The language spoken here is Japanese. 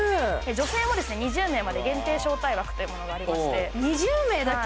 女性も２０名まで限定招待枠というものがありまして２０名だけ？